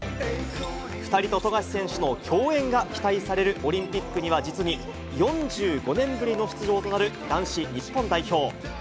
２人と富樫選手の共演が期待されるオリンピックには、実に４５年ぶりの出場となる男子日本代表。